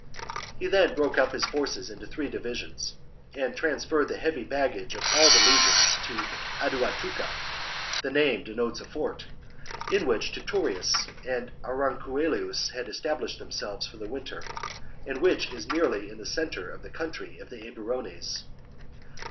He then broke up his forces into three divisions, and transferred the heavy baggage of all the legions to Aduatuca (the name denotes a fort ^), in which Titurius and Aurunculeius had established them selves for the winter, and which is nearly in the centre of the territory "of the Eburones.